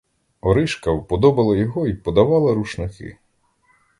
Оришка вподобала його й подавала рушники.